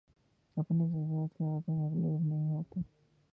اپنے جذبات کے ہاتھوں مغلوب نہیں ہوتا